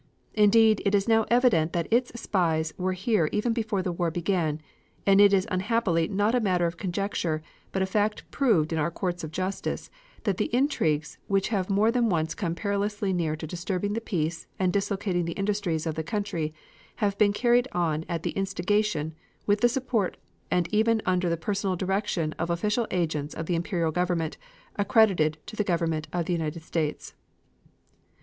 Indeed it is now evident that its spies were here even before the war began; and it is unhappily not a matter of conjecture, but a fact proved in our courts of justice, that the intrigues which have more than once come perilously near to disturbing the peace and dislocating the industries of the country have been carried on at the instigation, with the support, and even under the personal direction of official agents of the Imperial Government accredited to the Government of the United States."